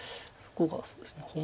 そこがそうですね。